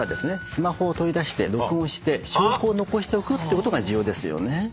スマホを取り出して録音して証拠を残しておくってことが重要ですよね。